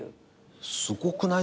すごくない？